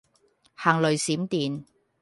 行雷閃電